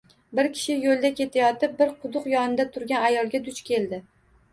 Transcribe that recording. Bir kishi yo‘lda ketayotib, bir quduq yonida turgan ayolga duch keldi.